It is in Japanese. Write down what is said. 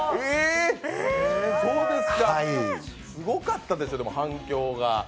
すごかったですよ、反響が。